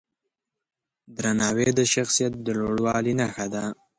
درناوی د شخصیت د لوړوالي نښه ده.